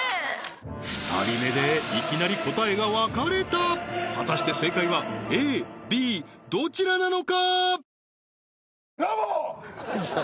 ２人目でいきなり答えが分かれた果たして正解はＡＢどちらなのか？